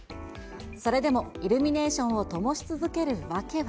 それでもイルミネーションをともし続ける訳は。